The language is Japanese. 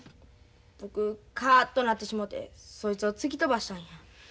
僕カッとなってしもてそいつを突き飛ばしたんや。